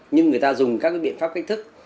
nhưng người ta dùng các biện pháp cách thức